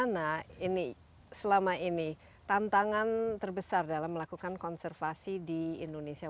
nah ini selama ini tantangan terbesar dalam melakukan konservasi di indonesia